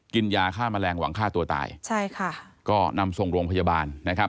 กินยาฆ่าแมลงหวังฆ่าตัวตายใช่ค่ะก็นำส่งโรงพยาบาลนะครับ